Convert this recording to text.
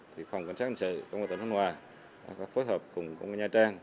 thì phòng cảnh sát hình sự công an thành phố nha trang và phối hợp cùng công an nha trang